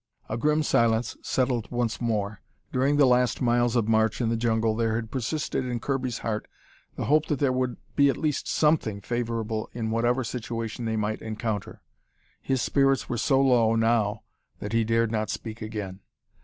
A grim silence settled once more. During the last miles of march in the jungle, there had persisted in Kirby's heart the hope that there would be at least something favorable in whatever situation they might encounter. His spirits were so low now that he dared not speak again.